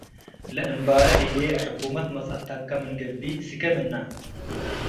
ለእምባረ ህዬ፣፡ “ሕኩመት መጽአተከ ምን ገብእ ስኬ ምነ።